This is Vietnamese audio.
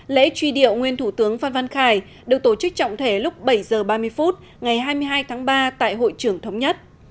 lễ truy điệu nguyên thủ tướng phan văn khải được tổ chức trọng thể lúc bảy h ba mươi phút ngày hai mươi hai tháng ba tại hội trưởng thống nhất